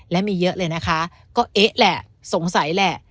และมีเยอะเลยนะคะก็เอ๊ะแหละสงสัยแหละ